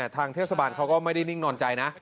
ทางเทศบาลเขาก็ไม่ได้นิ่งนอนใจนะ